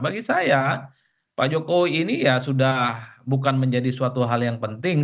bagi saya pak jokowi ini ya sudah bukan menjadi suatu hal yang penting